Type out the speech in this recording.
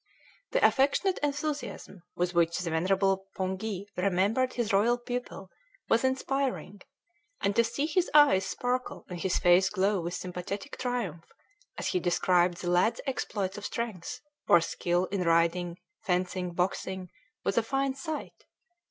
The affectionate enthusiasm with which the venerable poonghee remembered his royal pupil was inspiring; and to see his eyes sparkle and his face glow with sympathetic triumph, as he described the lad's exploits of strength or skill in riding, fencing, boxing, was a fine sight.